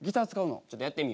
ちょっとやってみよう。